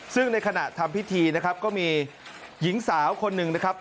ซึ่งในขณะทำพิธีนะครับก็มีหญิงสาวคนหนึ่งนะครับ